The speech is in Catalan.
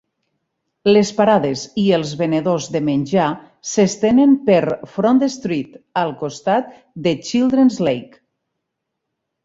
Les parades i els venedors de menjar s'estenen per Front Street, al costat de Children's Lake.